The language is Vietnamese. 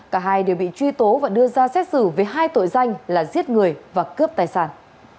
cả hai đều bị truy tố và đưa ra xét xử với hai tội danh là giết người và cướp tài sản